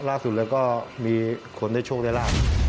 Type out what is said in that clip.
ลาบสุดเลยก็มีคนได้โชคได้ล่ะ